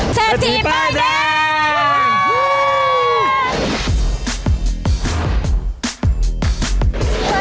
เซธีป้ายแดง